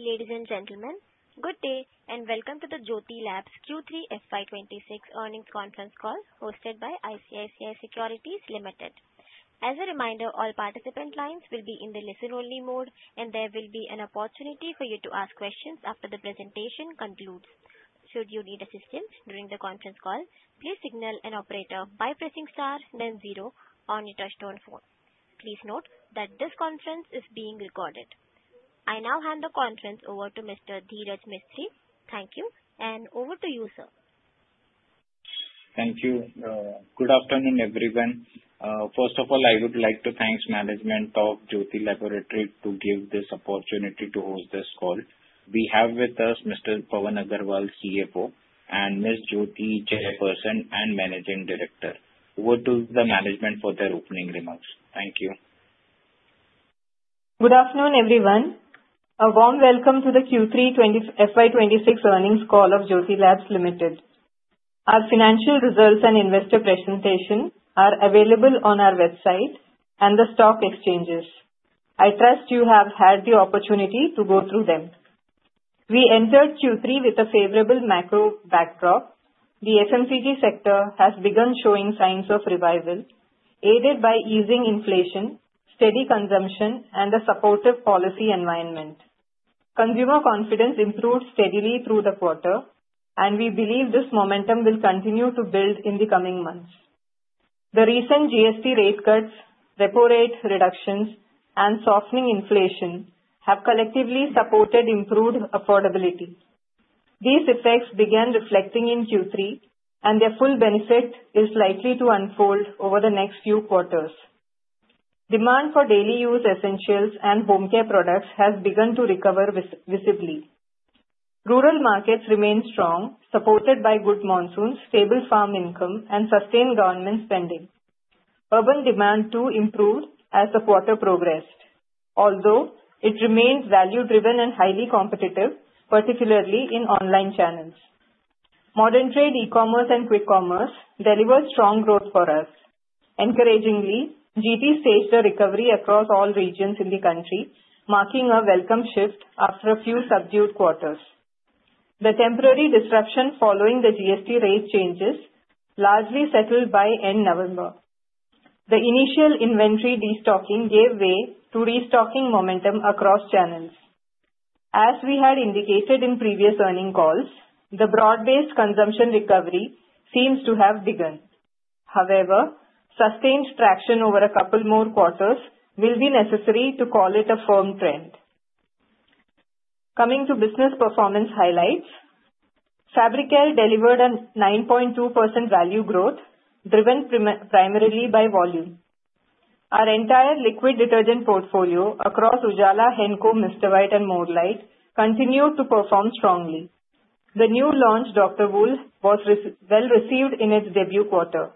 Ladies and gentlemen, good day, and welcome to the Jyothy Labs Q3 FY 2026 Earnings Conference Call, hosted by ICICI Securities Limited. As a reminder, all participant lines will be in the listen-only mode, and there will be an opportunity for you to ask questions after the presentation concludes. Should you need assistance during the conference call, please signal an operator by pressing star then zero on your touchtone phone. Please note that this conference is being recorded. I now hand the conference over to Mr. Dheeraj Mistry. Thank you, and over to you, sir. Thank you. Good afternoon, everyone. First of all, I would like to thank management of Jyothy Labs to give this opportunity to host this call. We have with us Mr. Pawan Agarwal, CFO, and Ms. Jyothy, Chairperson and Managing Director. Over to the management for their opening remarks. Thank you. Good afternoon, everyone. A warm welcome to the Q3 FY26 earnings call of Jyothy Labs Limited. Our financial results and investor presentation are available on our website and the stock exchanges. I trust you have had the opportunity to go through them. We entered Q3 with a favorable macro backdrop. The FMCG sector has begun showing signs of revival, aided by easing inflation, steady consumption, and a supportive policy environment. Consumer confidence improved steadily through the quarter, and we believe this momentum will continue to build in the coming months. The recent GST rate cuts, repo rate reductions, and softening inflation have collectively supported improved affordability. These effects began reflecting in Q3, and their full benefit is likely to unfold over the next few quarters. Demand for daily use essentials and home care products has begun to recover visibly. Rural markets remain strong, supported by good monsoons, stable farm income, and sustained government spending. Urban demand too improved as the quarter progressed, although it remains value-driven and highly competitive, particularly in online channels. Modern trade, e-commerce, and quick commerce delivered strong growth for us. Encouragingly, GT staged a recovery across all regions in the country, marking a welcome shift after a few subdued quarters. The temporary disruption following the GST rate changes largely settled by end November. The initial inventory destocking gave way to restocking momentum across channels. As we had indicated in previous earning calls, the broad-based consumption recovery seems to have begun. However, sustained traction over a couple more quarters will be necessary to call it a firm trend. Coming to business performance highlights, Fabric Care delivered a 9.2% value growth, driven primarily by volume. Our entire liquid detergent portfolio across Ujala, Henko, Mr. White, and More Light continued to perform strongly. The new launch, Dr. Wool, was well received in its debut quarter.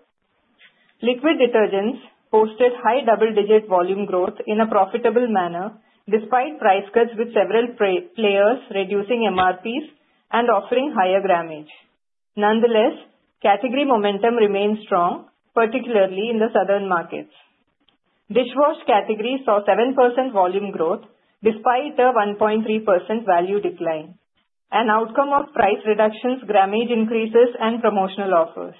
Liquid detergents posted high double-digit volume growth in a profitable manner, despite price cuts, with several players reducing MRPs and offering higher grammage. Nonetheless, category momentum remains strong, particularly in the southern markets. Dishwash category saw 7% volume growth despite a 1.3% value decline, an outcome of price reductions, grammage increases, and promotional offers.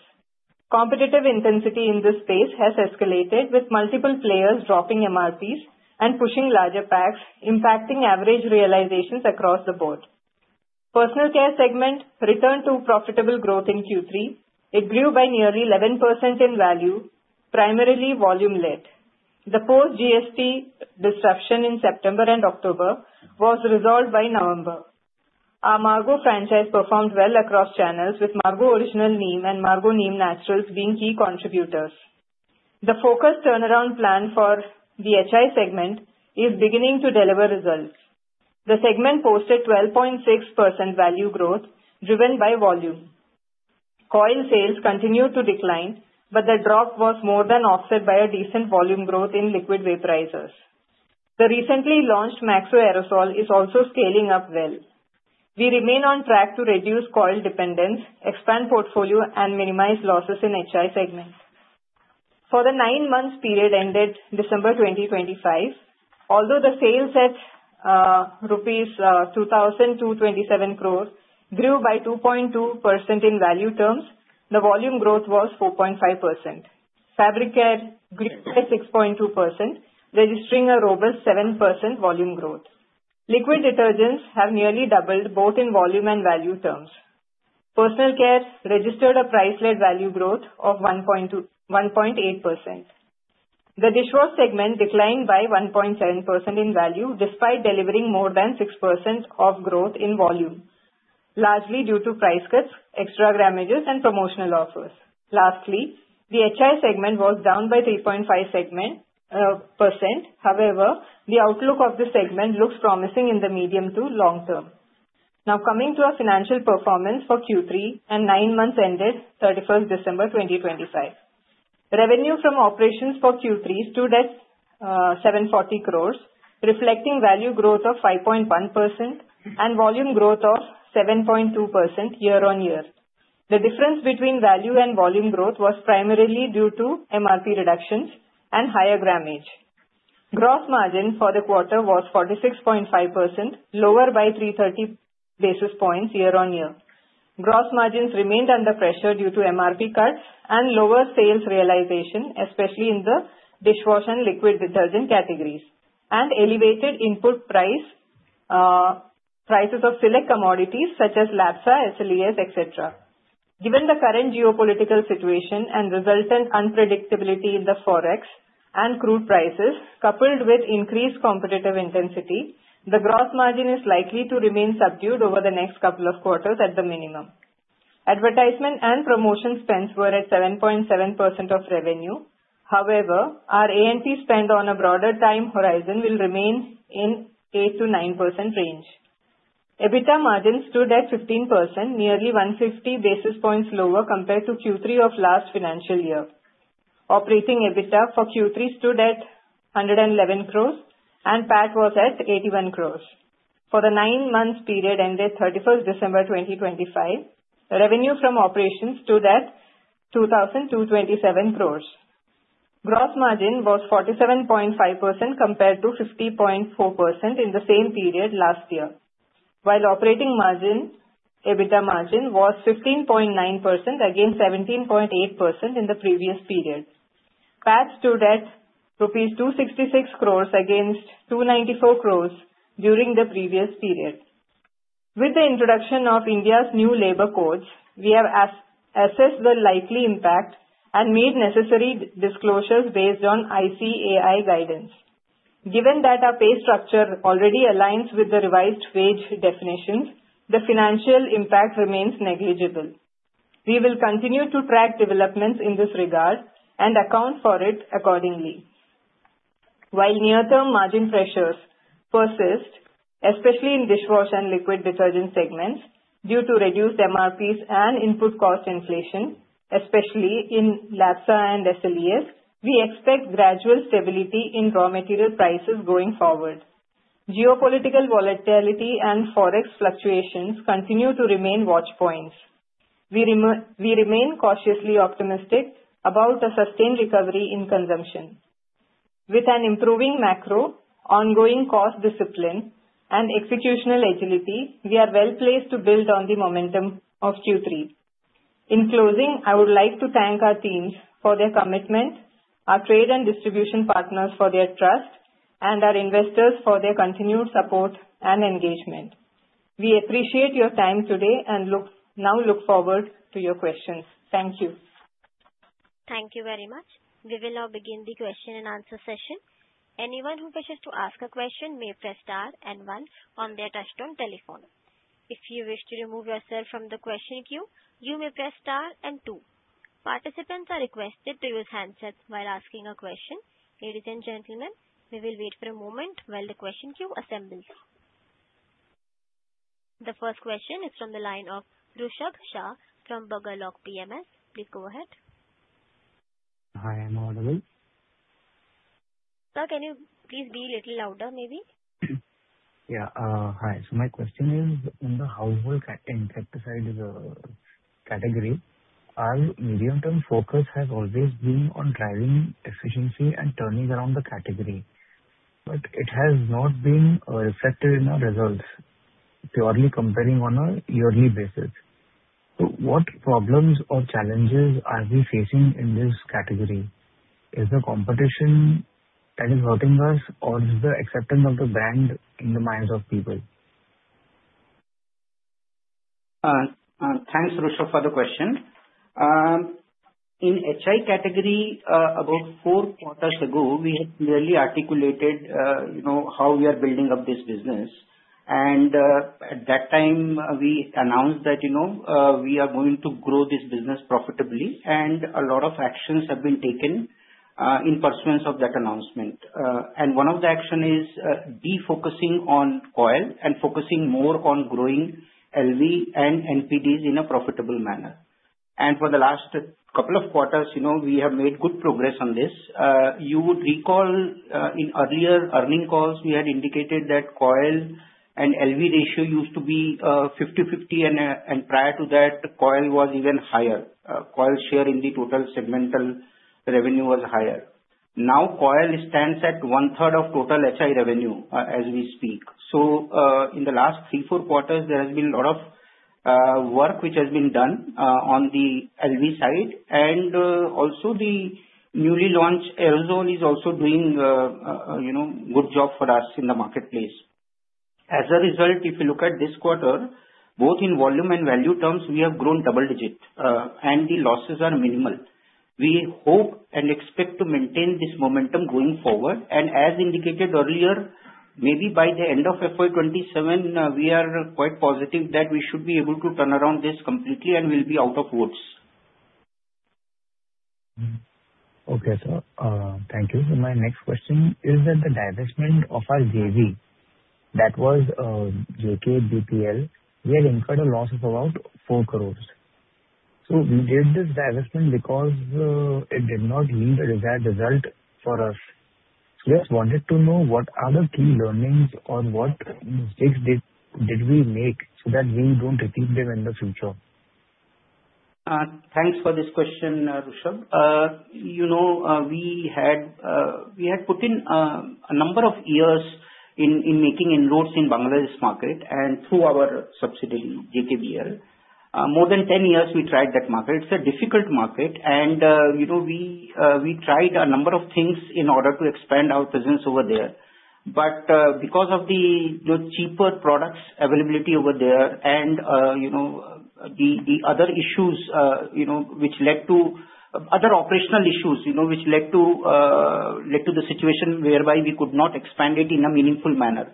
Competitive intensity in this space has escalated, with multiple players dropping MRPs and pushing larger packs, impacting average realizations across the board. Personal Care segment returned to profitable growth in Q3. It grew by nearly 11% in value, primarily volume-led. The post-GST disruption in September and October was resolved by November. Our Margo franchise performed well across channels, with Margo Original Neem and Margo Neem Naturals being key contributors. The focused turnaround plan for the HI segment is beginning to deliver results. The segment posted 12.6% value growth, driven by volume. Coil sales continued to decline, but the drop was more than offset by a decent volume growth in liquid vaporizers. The recently launched Maxo Aerosol is also scaling up well. We remain on track to reduce coil dependence, expand portfolio, and minimize losses in HI segment. For the nine months period ended December twenty twenty-five, although the sales at rupees 2,227 crores grew by 2.2% in value terms, the volume growth was 4.5%. Fabric Care grew by 6.2%, registering a robust 7% volume growth. Liquid detergents have nearly doubled, both in volume and value terms. Personal Care registered a price-led value growth of 1.2%-1.8%. The Dishwash segment declined by 1.7% in value, despite delivering more than 6% of growth in volume, largely due to price cuts, extra grammages, and promotional offers. Lastly, the HI segment was down by 3.5%. However, the outlook of this segment looks promising in the medium to long term. Now, coming to our financial performance for Q3 and nine months ended thirty-first December 2025. Revenue from operations for Q3 stood at 740 crores, reflecting value growth of 5.1% and volume growth of 7.2% year-on-year. The difference between value and volume growth was primarily due to MRP reductions and higher grammage. Gross margin for the quarter was 46.5%, lower by 330 basis points year-on-year. Gross margins remained under pressure due to MRP cuts and lower sales realization, especially in the dishwash and liquid detergent categories, and elevated input price, prices of select commodities such as LABSA, SLES, et cetera. Given the current geopolitical situation and resultant unpredictability in the Forex and crude prices, coupled with increased competitive intensity, the gross margin is likely to remain subdued over the next couple of quarters at the minimum. Advertisement and promotion spends were at 7.7% of revenue. However, our A&P spend on a broader time horizon will remain in 8%-9% range. EBITDA margins stood at 15%, nearly 150 basis points lower compared to Q3 of last financial year. Operating EBITDA for Q3 stood at 111 crores, and PAT was at 81 crores. For the nine months period ended thirty-first December, 2025, revenue from operations stood at 2,227 crores. Gross margin was 47.5%, compared to 50.4% in the same period last year. While operating margin, EBITDA margin was 15.9%, against 17.8% in the previous period. PAT stood at rupees 266 crores against 294 crores during the previous period. With the introduction of India's new labor codes, we have assessed the likely impact and made necessary disclosures based on ICAI guidance. Given that our pay structure already aligns with the revised wage definitions, the financial impact remains negligible. We will continue to track developments in this regard and account for it accordingly. While near-term margin pressures persist, especially in dishwash and liquid detergent segments, due to reduced MRPs and input cost inflation, especially in LABSA and SLES, we expect gradual stability in raw material prices going forward. Geopolitical volatility and Forex fluctuations continue to remain watch points. We remain cautiously optimistic about a sustained recovery in consumption. With an improving macro, ongoing cost discipline, and executional agility, we are well placed to build on the momentum of Q3. In closing, I would like to thank our teams for their commitment, our trade and distribution partners for their trust, and our investors for their continued support and engagement. We appreciate your time today and now look forward to your questions. Thank you. Thank you very much. We will now begin the question and answer session. Anyone who wishes to ask a question may press star and one on their touchtone telephone. If you wish to remove yourself from the question queue, you may press star and two. Participants are requested to use handsets while asking a question. Ladies and gentlemen, we will wait for a moment while the question queue assembles. The first question is from the line of Rishabh Shah from Bugle Rock Capital. Please go ahead. Hi, I'm audible. Sir, can you please be a little louder, maybe? Yeah, hi. My question is, in the household category, our medium-term focus has always been on driving efficiency and turning around the category, but it has not been reflected in our results, purely comparing on a yearly basis. What problems or challenges are we facing in this category? Is the competition that is hurting us, or is the acceptance of the brand in the minds of people? Thanks, Rishabh, for the question. In HI category, about four quarters ago, we had clearly articulated, you know, how we are building up this business. And, at that time, we announced that, you know, we are going to grow this business profitably, and a lot of actions have been taken, in pursuance of that announcement. And one of the action is, defocusing on coil and focusing more on growing LV and NPDs in a profitable manner. And for the last couple of quarters, you know, we have made good progress on this. You would recall, in earlier earnings calls, we had indicated that coil and LV ratio used to be, 50/50, and, and prior to that, coil was even higher. Coil share in the total segmental revenue was higher. Now, coil stands at one-third of total HI revenue, as we speak. So, in the last 3-4 quarters, there has been a lot of work which has been done on the LV side, and also the newly launched aerosol is also doing, you know, good job for us in the marketplace. As a result, if you look at this quarter, both in volume and value terms, we have grown double-digit, and the losses are minimal. We hope and expect to maintain this momentum going forward. And as indicated earlier, maybe by the end of FY 2027, we are quite positive that we should be able to turn around this completely and will be out of woods. Hmm. Okay, sir. Thank you. My next question is that the divestment of our JV, that was, JKBPL, we had incurred a loss of about 4 crore. So we did this divestment because, it did not yield a desired result for us. Just wanted to know what are the key learnings, or what mistakes did we make, so that we don't repeat them in the future? Thanks for this question, Rishabh. You know, we had put in a number of years in making inroads in Bangladesh market and through our subsidiary, JKBL. More than 10 years we tried that market. It's a difficult market and, you know, we tried a number of things in order to expand our presence over there. But because of the cheaper products availability over there, and you know, the other issues, you know, which led to... Other operational issues, you know, which led to the situation whereby we could not expand it in a meaningful manner.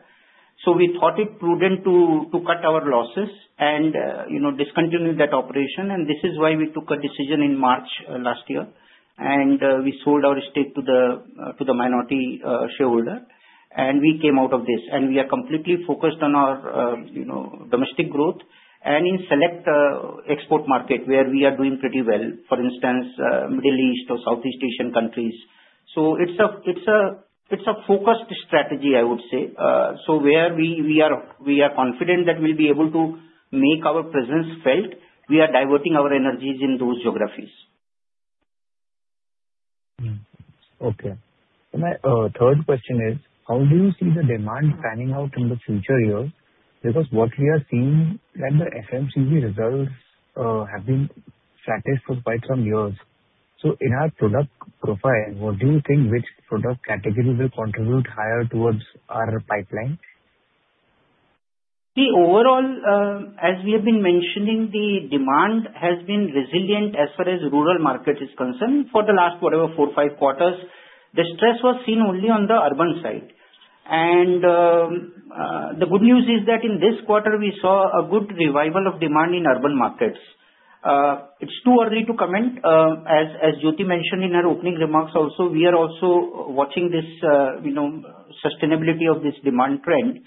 So we thought it prudent to cut our losses and, you know, discontinue that operation. And this is why we took a decision in March last year. We sold our stake to the minority shareholder, and we came out of this. We are completely focused on our, you know, domestic growth and in select export market, where we are doing pretty well. For instance, Middle East or Southeast Asian countries. So it's a focused strategy, I would say. So where we are confident that we'll be able to make our presence felt, we are diverting our energies in those geographies. Hmm. Okay. And my third question is: How do you see the demand panning out in the future years? Because what we are seeing in the FMCG results have been static for quite some years. So in our product profile, what do you think, which product category will contribute higher towards our pipeline? The overall, as we have been mentioning, the demand has been resilient as far as rural market is concerned for the last, whatever, 4, 5 quarters. The stress was seen only on the urban side. The good news is that in this quarter, we saw a good revival of demand in urban markets. It's too early to comment, as, as Jyoti mentioned in her opening remarks also, we are also watching this, you know, sustainability of this demand trend,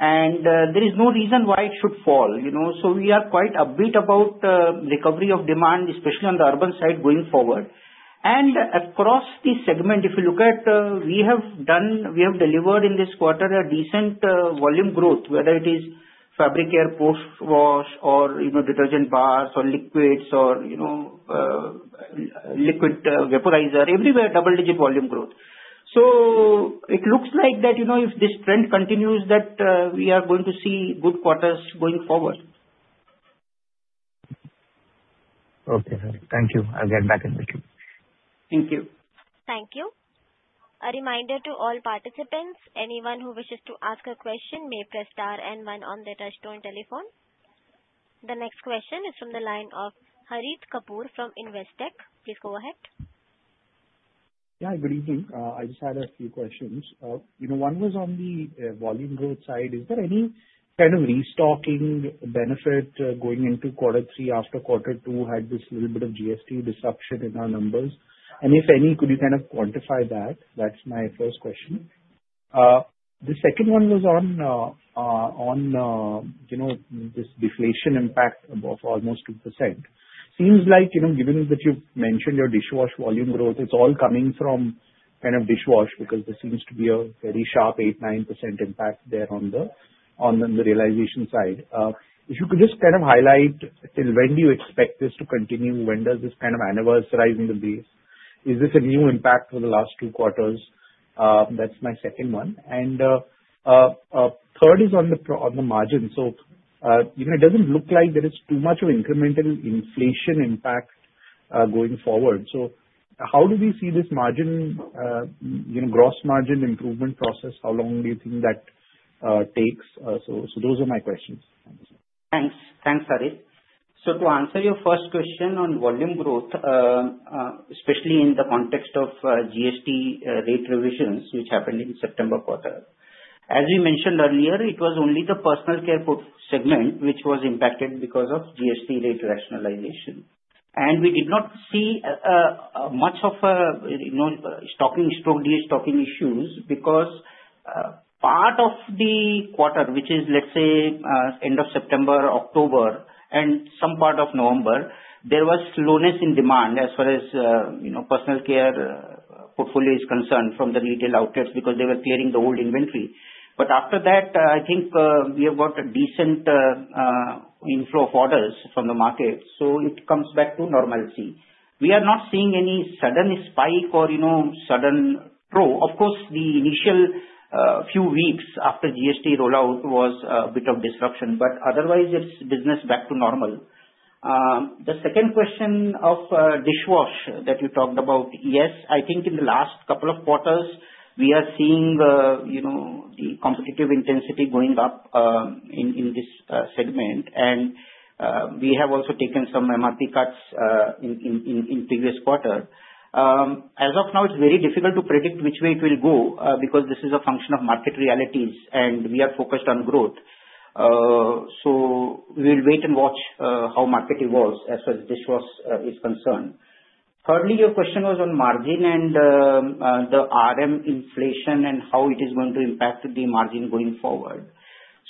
and, there is no reason why it should fall, you know. We are quite upbeat about, recovery of demand, especially on the urban side, going forward. Across the segment, if you look at, we have delivered in this quarter a decent volume growth, whether it is fabric care, post wash or, you know, detergent bars or liquids or, you know, liquid vaporizer. Everywhere, double-digit volume growth. So it looks like that, you know, if this trend continues, that we are going to see good quarters going forward. Okay, sir. Thank you. I'll get back in with you. Thank you. Thank you. A reminder to all participants, anyone who wishes to ask a question may press star and one on their touchtone telephone. The next question is from the line of Harit Kapoor from Investec. Please go ahead. Yeah, good evening. I just had a few questions. You know, one was on the volume growth side. Is there any kind of restocking benefit going into quarter three, after quarter two had this little bit of GST disruption in our numbers? And if any, could you kind of quantify that? That's my first question. The second one was on you know, this deflation impact of almost 2%. Seems like, you know, given that you've mentioned your dishwash volume growth, it's all coming from kind of dishwash, because there seems to be a very sharp 8%-9% impact there on the realization side. If you could just kind of highlight till when do you expect this to continue? When does this kind of annualize rise in the base? Is this a new impact for the last two quarters? That's my second one. Third is on the margin. So, you know, it doesn't look like there is too much of incremental inflation impact going forward. So how do we see this margin, you know, gross margin improvement process? How long do you think that takes? So those are my questions. Thanks. Thanks, Harit. So to answer your first question on volume growth, especially in the context of GST rate revisions, which happened in September quarter. As we mentioned earlier, it was only the personal care portfolio segment, which was impacted because of GST rate rationalization. And we did not see much of a, you know, stocking or de-stocking issues, because part of the quarter, which is, let's say, end of September, October, and some part of November, there was slowness in demand as far as, you know, personal care portfolio is concerned, from the retail outlets, because they were clearing the old inventory. But after that, I think we have got a decent inflow of orders from the market, so it comes back to normalcy. We are not seeing any sudden spike or, you know, sudden drop. Of course, the initial few weeks after GST rollout was a bit of disruption, but otherwise it's business back to normal. The second question of dishwash that you talked about, yes, I think in the last couple of quarters we are seeing, you know, the competitive intensity going up in previous quarter. As of now, it's very difficult to predict which way it will go because this is a function of market realities, and we are focused on growth. So we'll wait and watch how market evolves as far as dishwash is concerned. Thirdly, your question was on margin and the RM inflation and how it is going to impact the margin going forward.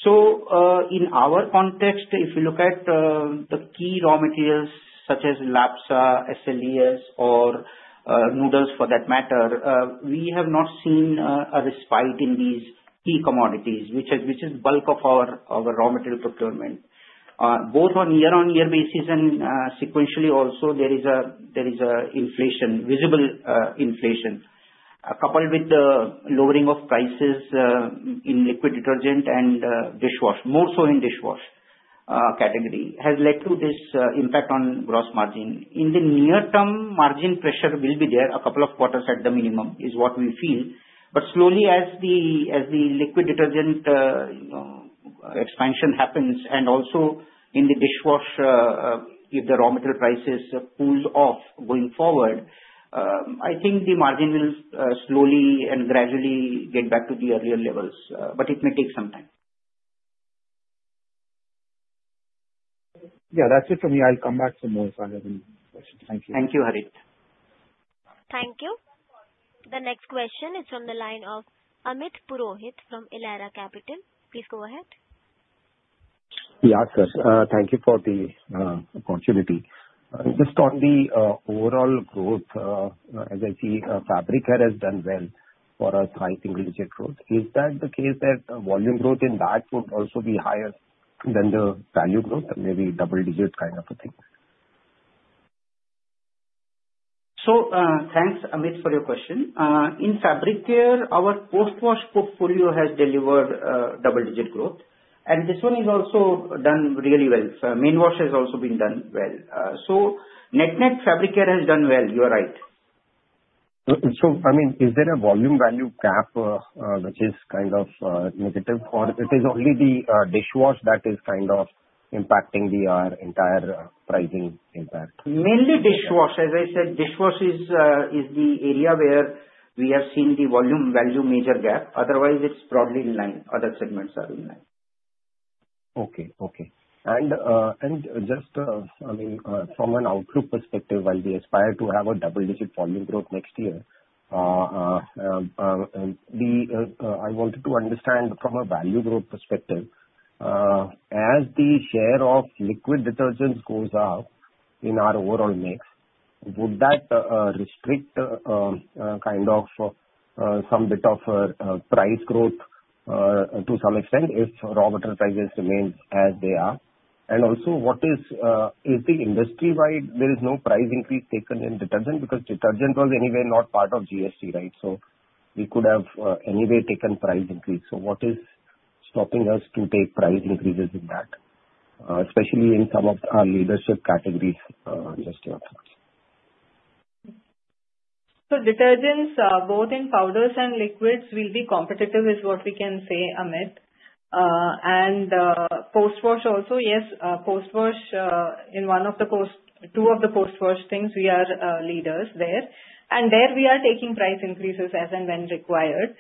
So, in our context, if you look at the key raw materials such as LABSA, SLES or noodles for that matter, we have not seen a respite in these key commodities, which is bulk of our raw material procurement. Both on year-on-year basis and sequentially also, there is inflation, visible inflation. Coupled with the lowering of prices in liquid detergent and dishwash, more so in dishwash category, has led to this impact on gross margin. In the near term, margin pressure will be there a couple of quarters at the minimum, is what we feel. But slowly, as the liquid detergent, you know, expansion happens, and also in the dishwash, if the raw material prices pulls off going forward, I think the margin will slowly and gradually get back to the earlier levels, but it may take some time. Yeah, that's it from me. I'll come back some more if I have any questions. Thank you. Thank you, Harit. Thank you. The next question is from the line of Amit Purohit from Elara Capital. Please go ahead. Yeah, sure. Thank you for the opportunity. Just on the overall growth, as I see, Fabric Care has done well for a high single digit growth. Is that the case that volume growth in that would also be higher than the value growth and maybe double digits kind of a thing? So, thanks, Amit, for your question. In fabric care, our post-wash portfolio has delivered double-digit growth, and this one is also done really well. So Main Wash has also been done well. So net-net, fabric care has done well. You are right. I mean, is there a volume value gap, which is kind of negative? Or it is only the dishwash that is kind of impacting the entire pricing impact? Mainly dishwash. As I said, dishwash is the area where we have seen the volume, value major gap. Otherwise, it's broadly in line. Other segments are in line. Okay, okay. And, and just, I mean, from an outlook perspective, while we aspire to have a double-digit volume growth next year, I wanted to understand from a value growth perspective, as the share of liquid detergents goes up in our overall mix, would that restrict, kind of, some bit of price growth to some extent, if raw material prices remain as they are? And also, what is, is the industry-wide there is no price increase taken in detergent? Because detergent was anyway not part of GST, right? So we could have anyway taken price increase. So what is stopping us to take price increases in that, especially in some of our leadership categories, just your thoughts? So detergents, both in powders and liquids, will be competitive, is what we can say, Amit. Post-wash also, yes, post-wash, two of the post-wash things, we are leaders there. And there, we are taking price increases as and when required.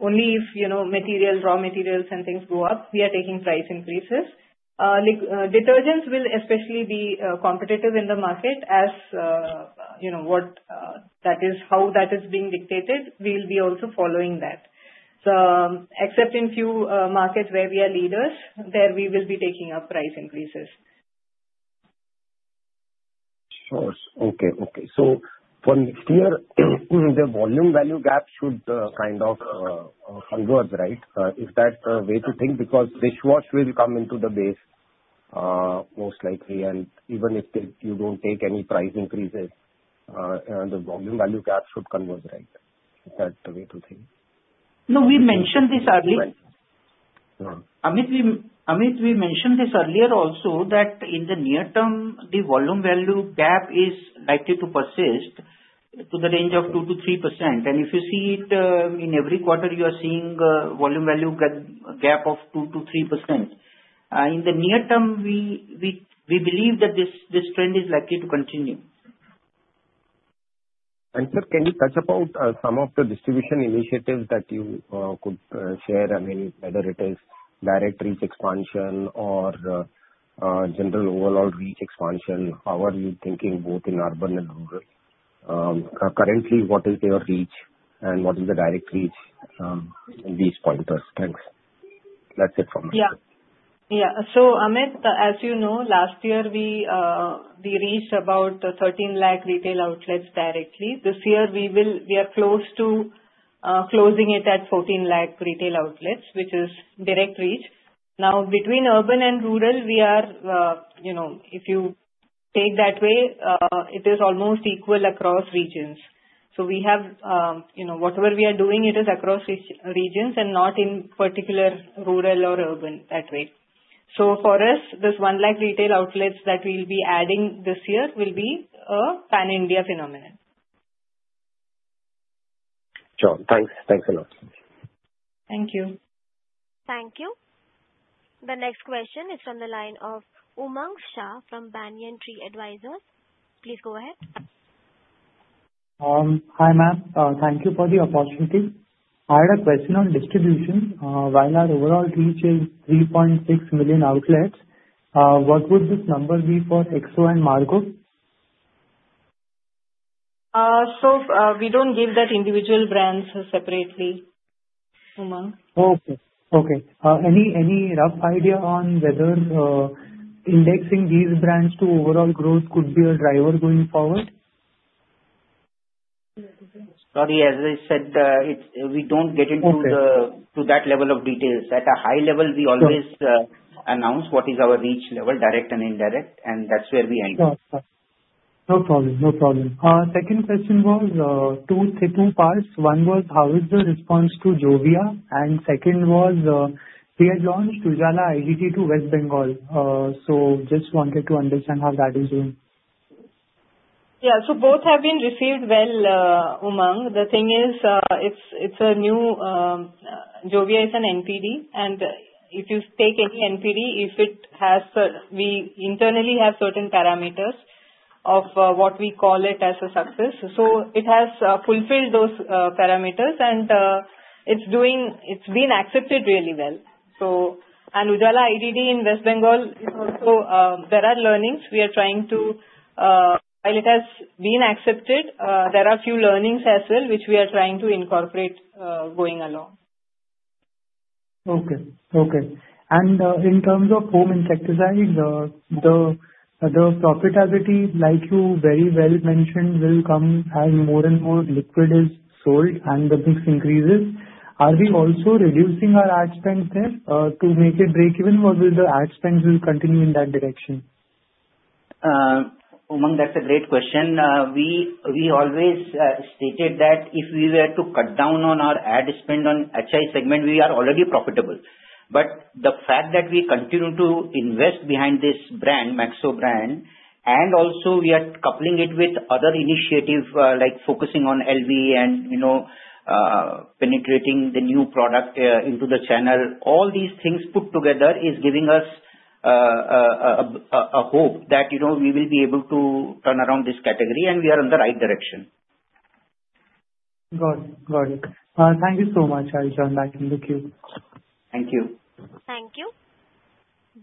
Only if, you know, materials, raw materials and things go up, we are taking price increases. Detergents will especially be competitive in the market as, you know, what, that is, how that is being dictated, we'll be also following that. So except in few markets where we are leaders, there we will be taking up price increases. Sure. Okay, okay. So from here, the volume value gap should, kind of, converge, right? Is that the way to think? Because dishwash will come into the base, most likely, and even if they, you don't take any price increases, the volume value gap should converge, right? Is that the way to think? No, we mentioned this earlier. Right. Yeah. Amit, we mentioned this earlier also, that in the near term, the volume value gap is likely to persist to the range of 2%-3%. And if you see it, in every quarter, you are seeing, volume value gap of 2%-3%. In the near term, we believe that this trend is likely to continue. Sir, can you touch about some of the distribution initiatives that you could share? I mean, whether it is direct reach expansion or general overall reach expansion, how are you thinking both in urban and rural? Currently, what is your reach, and what is the direct reach in these pointers? Thanks. That's it from me. Yeah. Yeah. So, Amit, as you know, last year we reached about 13 lakh retail outlets directly. This year we are close to closing it at 14 lakh retail outlets, which is direct reach. Now, between urban and rural, we are, you know, if you take that way, it is almost equal across regions. So we have, you know, whatever we are doing, it is across regions and not in particular rural or urban, that way. So for us, this 1 lakh retail outlets that we'll be adding this year will be a pan-India phenomenon. Sure. Thanks. Thanks a lot. Thank you. Thank you. The next question is from the line of Umang Shah from Banyan Tree Advisors. Please go ahead. Hi, ma'am. Thank you for the opportunity. I had a question on distribution. While our overall reach is 3.6 million outlets, what would this number be for Exo and Margo? So, we don't give that individual brands separately, Umang. Okay, okay. Any rough idea on whether indexing these brands to overall growth could be a driver going forward? Sorry, as I said, it's- Okay. We don't get into to that level of details. At a high level- Sure. We always announce what is our reach level, direct and indirect, and that's where we end. Sure. No problem, no problem. Second question was, two parts. One was, how is the response to Jovia? And second was, we had launched Ujala IDD to West Bengal. So just wanted to understand how that is doing. Yeah, so both have been received well, Umang. The thing is, it's a new, Jovia is an NPD, and if you take any NPD, if it has, we internally have certain parameters of what we call it as a success. So it has fulfilled those parameters, and it's doing. It's been accepted really well. So. And Ujala IDD in West Bengal is also, there are learnings. We are trying to, while it has been accepted, there are few learnings as well, which we are trying to incorporate, going along. Okay, okay. And, in terms of home insecticides, the profitability, like you very well mentioned, will come as more and more liquid is sold and the mix increases. Are we also reducing our ad spend there, to make it break even, or will the ad spend continue in that direction? Umang, that's a great question. We always stated that if we were to cut down on our ad spend on HI segment, we are already profitable. But the fact that we continue to invest behind this brand, Maxo brand, and also we are coupling it with other initiative, like focusing on LV and, you know, penetrating the new product into the channel. All these things put together is giving us a hope that, you know, we will be able to turn around this category, and we are in the right direction. Got it, got it. Thank you so much. I'll join back in the queue. Thank you. Thank you.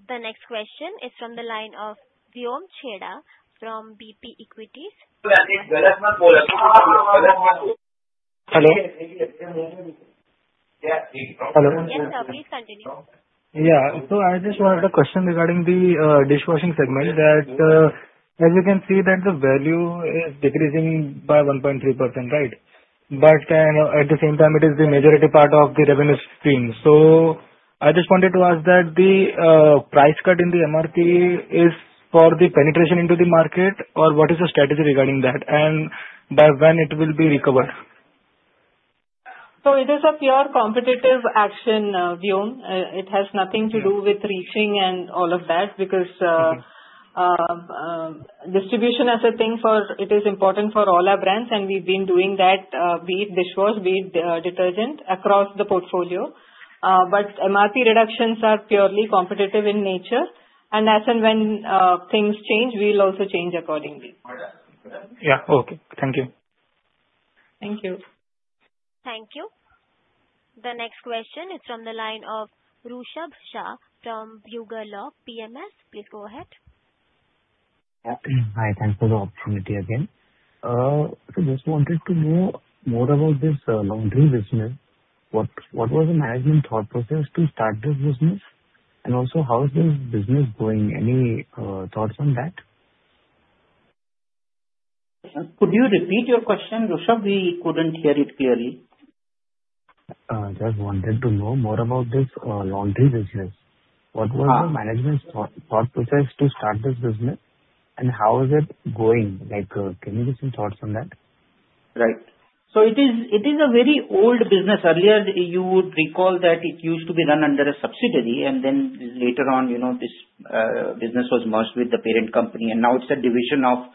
The next question is from the line of Vyom Chheda from BP Equities. Hello? Hello. Yes, please continue. Yeah. So I just have a question regarding the dishwashing segment, that as you can see that the value is decreasing by 1.3%, right? But at the same time, it is the majority part of the revenue stream. So I just wanted to ask that the price cut in the MRP is for the penetration into the market, or what is the strategy regarding that, and by when it will be recovered? So it is a pure competitive action, Vyom. It has nothing to do with reaching and all of that, because, Okay. Distribution as a thing for it is important for all our brands, and we've been doing that, be it dishwash, be it detergent, across the portfolio. But MRP reductions are purely competitive in nature, and as and when things change, we'll also change accordingly. Yeah. Okay, thank you. Thank you. Thank you. The next question is from the line of Rishabh Shah from Bugle Rock Capital. Please go ahead. Hi, thank you for the opportunity again. So just wanted to know more about this, laundry business. What was the management thought process to start this business? And also, how is this business going? Any, thoughts on that? Could you repeat your question, Rishabh? We couldn't hear it clearly. Just wanted to know more about this, laundry business. Ah. What was the management's thought, thought process to start this business, and how is it going? Like, give me some thoughts on that. Right. So it is a very old business. Earlier, you would recall that it used to be run under a subsidiary, and then later on, you know, this business was merged with the parent company, and now it's a division of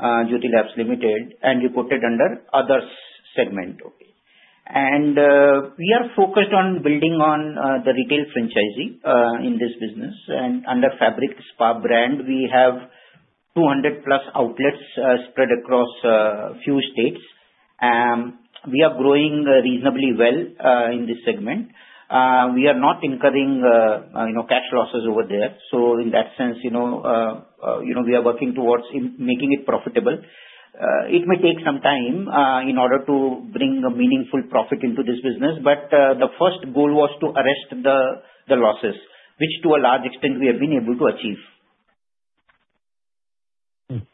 Jyothy Labs Limited, and we put it under other segment. Okay. We are focused on building on the retail franchising in this business. Under Fabric Spa brand, we have 200+ outlets spread across few states. We are growing reasonably well in this segment. We are not incurring you know, cash losses over there. So in that sense, you know, you know, we are working towards in making it profitable. It may take some time in order to bring a meaningful profit into this business, but the first goal was to arrest the losses, which to a large extent, we have been able to achieve. Hmm.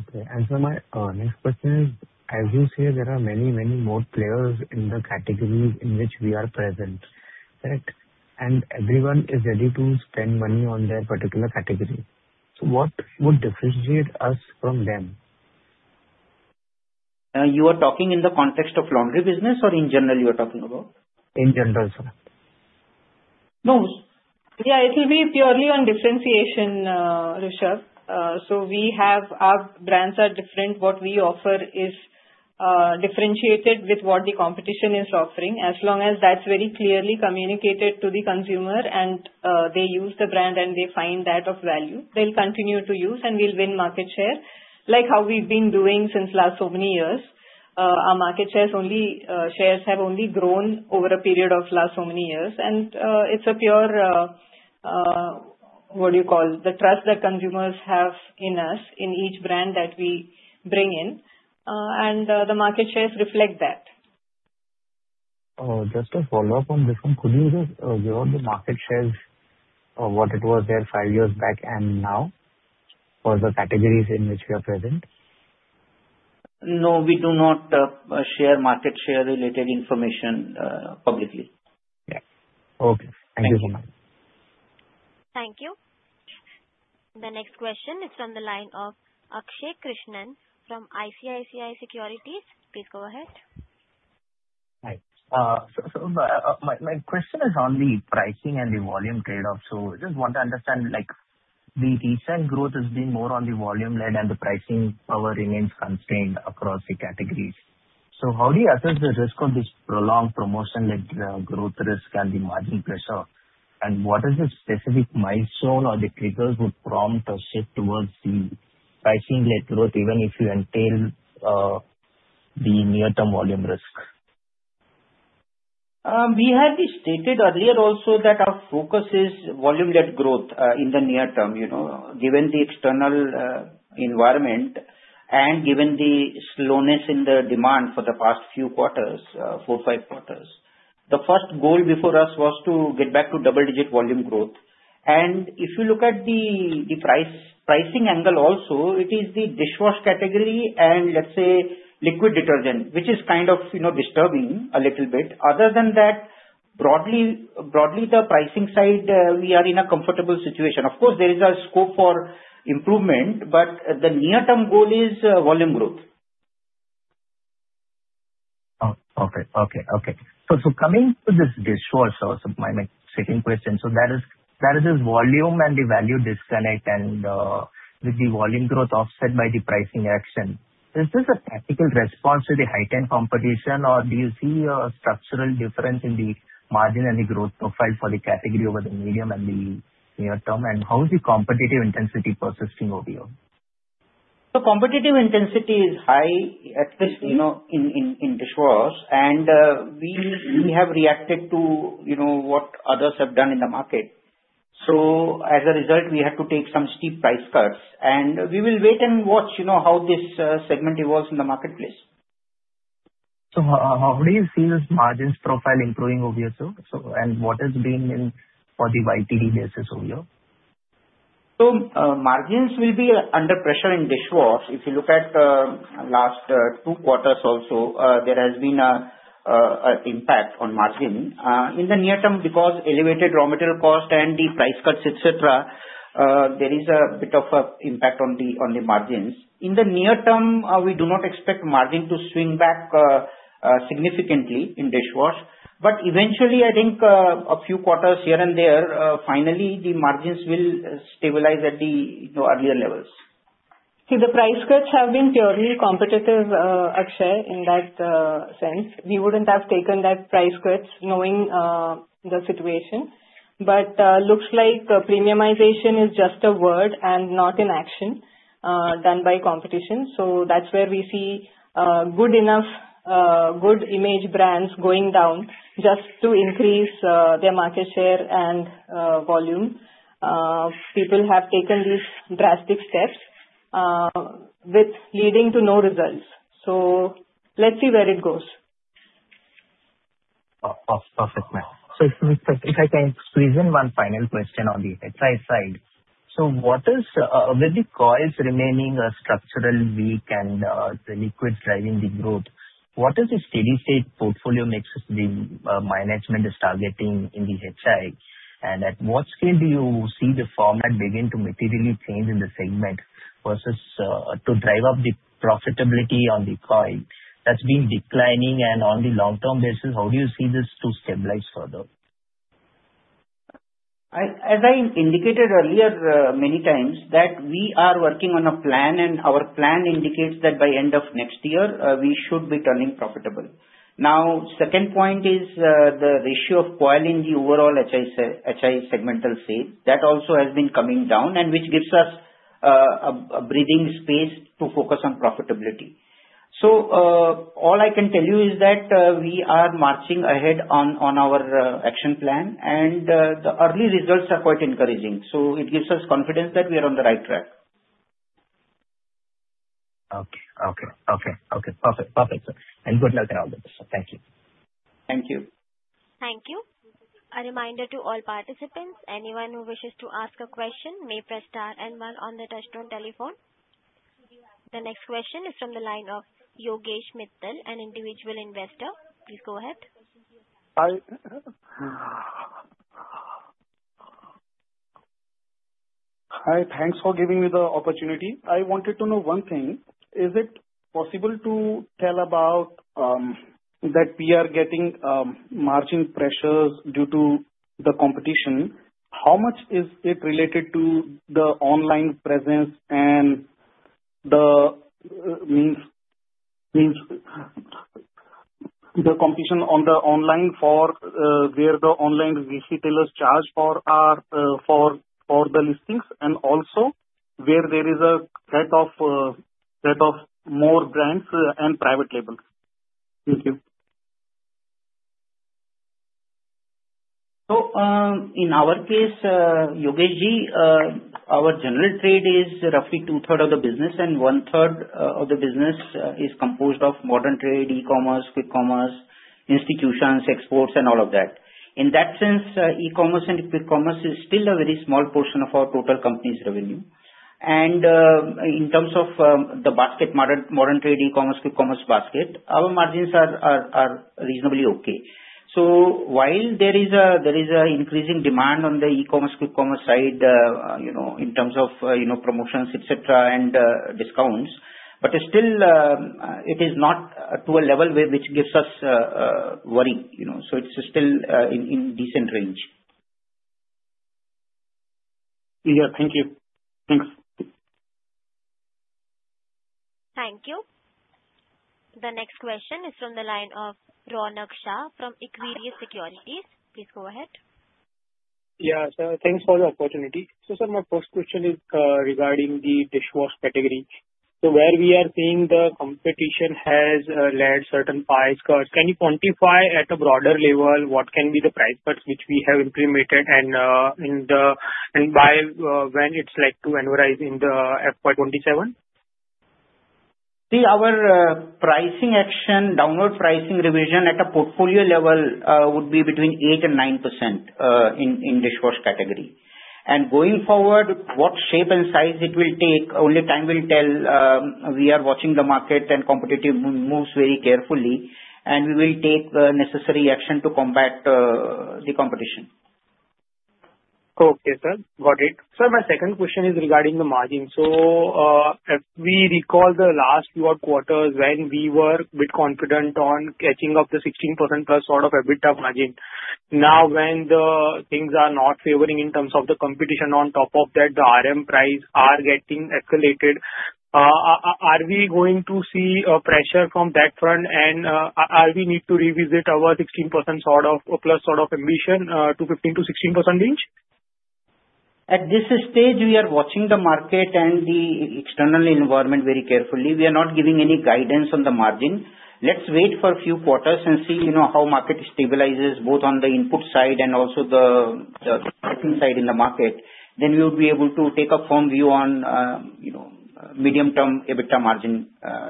Okay, and so my next question is: as you say, there are many, many more players in the categories in which we are present, right? And everyone is ready to spend money on their particular category. So what would differentiate us from them? You are talking in the context of laundry business or in general you are talking about? In general, sir. No. Yeah, it will be purely on differentiation, Rishabh. So we have, our brands are different. What we offer is differentiated with what the competition is offering. As long as that's very clearly communicated to the consumer and they use the brand and they find that of value, they'll continue to use, and we'll win market share, like how we've been doing since last so many years. Our market shares only, shares have only grown over a period of last so many years, and it's a pure, what do you call? The trust that consumers have in us, in each brand that we bring in, and the market shares reflect that. Just a follow-up on this one. Could you just give all the market shares of what it was there five years back and now, for the categories in which you are present? No, we do not share market share related information publicly. Yeah. Okay. Thank you so much. Thank you. The next question is from the line of Akshay Krishnan from ICICI Securities. Please go ahead. Hi. So my question is on the pricing and the volume trade-off. So just want to understand, like, the recent growth has been more on the volume side and the pricing power remains constrained across the categories. So how do you assess the risk of this prolonged promotion like, growth risk and the margin pressure? And what is the specific milestone or the triggers would prompt a shift towards the pricing-led growth, even if you entail, the near-term volume risk? We had stated earlier also that our focus is volume-led growth in the near term, you know. Given the external environment and given the slowness in the demand for the past few quarters, four, five quarters. The first goal before us was to get back to double-digit volume growth. And if you look at the pricing angle also, it is the dishwash category and, let's say, liquid detergent, which is kind of, you know, disturbing a little bit. Other than that, broadly, the pricing side, we are in a comfortable situation. Of course, there is a scope for improvement, but the near-term goal is volume growth. So coming to this dishwash, so my second question. So there is this volume and the value disconnect and with the volume growth offset by the pricing action. Is this a tactical response to the heightened competition, or do you see a structural difference in the margin and the growth profile for the category over the medium and the near term? And how is the competitive intensity persisting over here? The competitive intensity is high, at least, you know, in dishwash. We have reacted to, you know, what others have done in the market. As a result, we had to take some steep price cuts, and we will wait and watch, you know, how this segment evolves in the marketplace. So, how do you see this margin profile improving over here, sir? And what is being seen for the YTD basis over here? So, margins will be under pressure in dishwash. If you look at last two quarters also, there has been an impact on margin. In the near term, because elevated raw material cost and the price cuts, et cetera, there is a bit of an impact on the margins. In the near term, we do not expect margin to swing back significantly in dishwash, but eventually I think a few quarters here and there, finally the margins will stabilize at the, you know, earlier levels. See, the price cuts have been purely competitive, Akshay, in that sense. We wouldn't have taken that price cuts knowing the situation. But looks like premiumization is just a word and not an action done by competition. So that's where we see good enough good image brands going down just to increase their market share and volume. People have taken these drastic steps with leading to no results. So let's see where it goes. Perfect, ma'am. So if I can squeeze in one final question on the HI side. So what is with the coils remaining structural weak and the liquids driving the growth, what is the steady-state portfolio mix the management is targeting in the HI? And at what scale do you see the format begin to materially change in the segment versus to drive up the profitability on the coil that's been declining? And on the long-term basis, how do you see this to stabilize further? As I indicated earlier, many times, that we are working on a plan, and our plan indicates that by end of next year, we should be turning profitable. Now, second point is, the ratio of coil in the overall HI segmental sales. That also has been coming down, and which gives us, a breathing space to focus on profitability. So, all I can tell you is that, we are marching ahead on our action plan, and, the early results are quite encouraging. So it gives us confidence that we are on the right track. Okay, okay, okay, okay. Perfect, perfect, sir. Good luck in all this. Thank you. Thank you. Thank you. A reminder to all participants, anyone who wishes to ask a question may press star and one on the touchtone telephone. The next question is from the line of Yogesh Mittal, an individual investor. Please go ahead. Hi, thanks for giving me the opportunity. I wanted to know one thing. Is it possible to tell about, that we are getting, margin pressures due to the competition? How much is it related to the online presence and the, means, the competition on the online for, where the online retailers charge for, for the listings, and also where there is a set of, set of more brands and private labels? Thank you. So, in our case, Yogeshji, our General Trade is roughly 2/3 of the business, and 1/3 of the business is composed of Modern Trade, e-commerce, Quick Commerce, institutions, exports, and all of that. In that sense, e-commerce and Quick Commerce is still a very small portion of our total company's revenue. And, in terms of the basket Modern Trade, e-commerce, Quick Commerce basket, our margins are reasonably okay. So while there is a, there is a increasing demand on the e-commerce, Quick Commerce side, you know, in terms of, you know, promotions, et cetera, and discounts, but still, it is not to a level where which gives us worry, you know. So it's still in decent range. Yeah, thank you. Thanks. Thank you. The next question is from the line of Ronak Shah from Equirus Securities. Please go ahead. Yeah, sir, thanks for the opportunity. So, sir, my first question is, regarding the dishwash category. So where we are seeing the competition has led certain price cuts, can you quantify at a broader level what can be the price cuts which we have implemented and by when it's likely to annualize in the FY27? See, our pricing action, downward pricing revision at a portfolio level, would be between 8% and 9% in the dishwash category. Going forward, what shape and size it will take, only time will tell. We are watching the market and competitive moves very carefully, and we will take necessary action to combat the competition. Okay, sir. Got it. Sir, my second question is regarding the margin. So, if we recall the last few quarters, when we were bit confident on catching up the 16%+ sort of EBITDA margin, now, when the things are not favoring in terms of the competition, on top of that, the RM price are getting accelerated, are we going to see a pressure from that front and, are we need to revisit our 16% sort of, or plus sort of ambition, to 15%-16% range? At this stage, we are watching the market and the external environment very carefully. We are not giving any guidance on the margin. Let's wait for a few quarters and see, you know, how market stabilizes, both on the input side and also the output side in the market. Then we will be able to take a firm view on, you know, medium-term EBITDA margin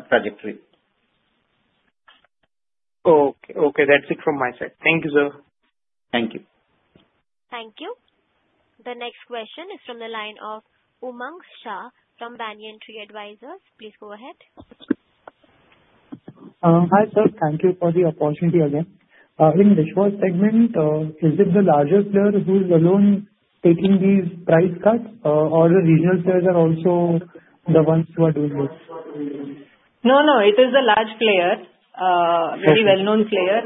trajectory. Okay. Okay, that's it from my side. Thank you, sir. Thank you. Thank you. The next question is from the line of Umang Shah from Banyan Tree Advisors. Please go ahead. Hi, sir. Thank you for the opportunity again. In dishwash segment, is it the largest player who is alone taking these price cuts, or the regional players are also the ones who are doing this? No, no, it is a large player, Okay. a very well-known player,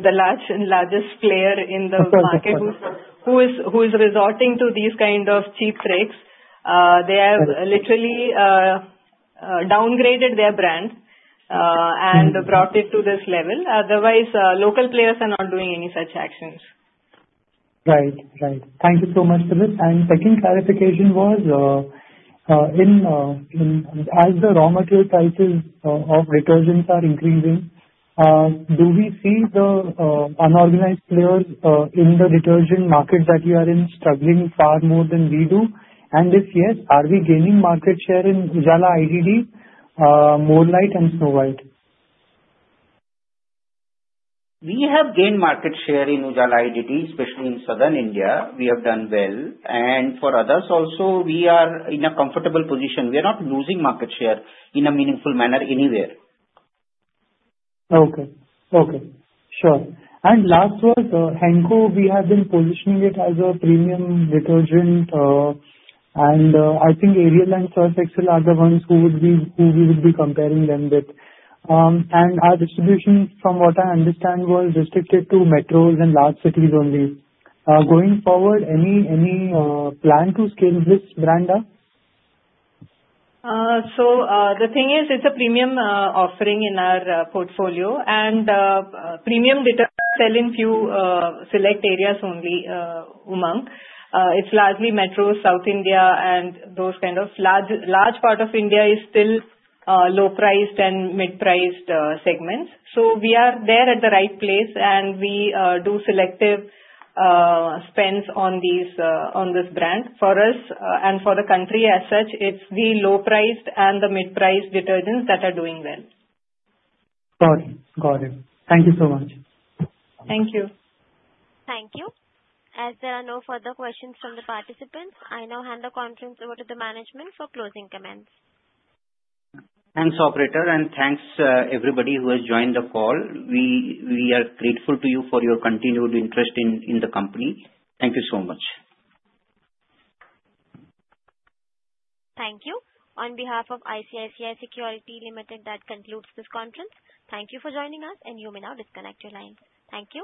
the largest player in the market. Perfect. who is resorting to these kind of cheap tricks. They have literally downgraded their brand. Mm-hmm. and brought it to this level. Otherwise, local players are not doing any such actions. Right. Right. Thank you so much for this. And second clarification was, As the raw material prices of detergents are increasing, do we see the unorganized players in the detergent market that you are in struggling far more than we do? And if yes, are we gaining market share in Ujala IDD, More Light and Mr. White? We have gained market share in Ujala IDD, especially in Southern India. We have done well. For others also, we are in a comfortable position. We are not losing market share in a meaningful manner anywhere. Okay. Okay, sure. And last was Henko. We have been positioning it as a premium detergent, and I think Ariel and Surf Excel are the ones who would be—who we would be comparing them with. And our distribution, from what I understand, was restricted to metros and large cities only. Going forward, any plan to scale this brand up? So, the thing is, it's a premium offering in our portfolio. And premium detergents sell in few select areas only, Umang. It's largely metros, South India, and those kind of large, large part of India is still low-priced and mid-priced segments. So we are there at the right place, and we do selective spends on these on this brand. For us, and for the country as such, it's the low-priced and the mid-priced detergents that are doing well. Got it. Got it. Thank you so much. Thank you. Thank you. As there are no further questions from the participants, I now hand the conference over to the management for closing comments. Thanks, operator, and thanks, everybody who has joined the call. We are grateful to you for your continued interest in the company. Thank you so much. Thank you. On behalf of ICICI Securities Limited, that concludes this conference. Thank you for joining us, and you may now disconnect your lines. Thank you.